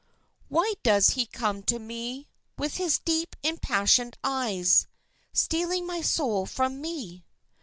Why does he come to me, With his deep, impassioned eyes, Stealing my soul from me?